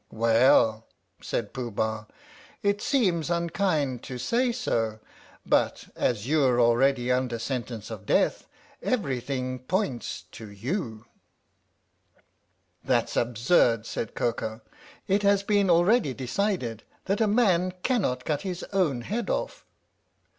" Well," said Pooh Bah, "it seems unkind to say so, but as you're already under sentence of death, everything points to you" 52 THE STORY OF THE MIKADO " That's absurd," said Koko. " It has been already decided that a man cannot cut his own head off."